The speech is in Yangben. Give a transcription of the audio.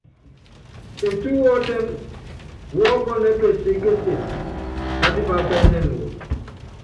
Etú wɔ́tímɛ wɔ́pɔnɛ́ɛ peseékése, pátipápɛ́nɛn wɔ.